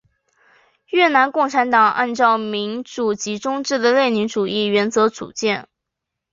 越南共产党按照民主集中制的列宁主义原则组建。